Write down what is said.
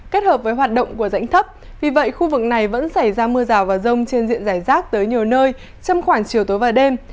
kết hợp với hoạt động của rãnh thấp vì vậy khu vực này vẫn xảy ra mưa rào và rông trên diện giải rác tới nhiều nơi trong khoảng chiều tối và đêm